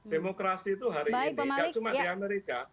demokrasi itu hari ini gak cuma di amerika